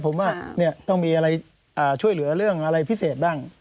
ผมว่าต้องมีอะไรช่วยเหลือเรื่องอะไรพิเศษบ้าง